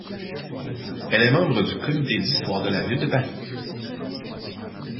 Elle est membre du Comité d'histoire de la ville de Paris.